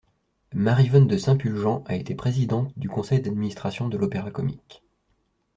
Maryvonne de Saint-Pulgent a été présidente du conseil d'administration de l'Opéra-comique.